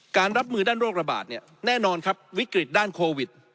รับมือด้านโรคระบาดเนี่ยแน่นอนครับวิกฤตด้านโควิด